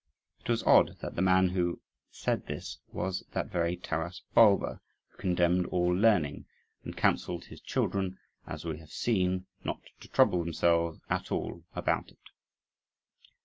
It was odd that the man who said this was that very Taras Bulba who condemned all learning, and counselled his children, as we have seen, not to trouble themselves at all about it.